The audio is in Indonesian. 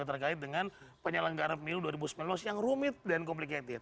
terkait dengan penyelenggaraan pemilu dua ribu sembilan belas yang rumit dan complicated